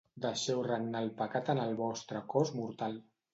Deixeu regnar el pecat en el vostre cos mortal.